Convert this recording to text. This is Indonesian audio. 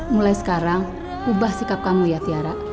mulai sekarang ubah sikap kamu ya tiara